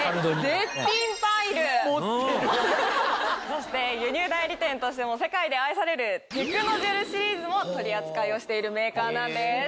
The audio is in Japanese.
そして輸入代理店としても世界で愛されるテクノジェルシリーズも取り扱いをしているメーカーなんです。